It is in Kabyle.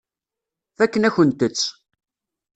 Fakken-akent-tt.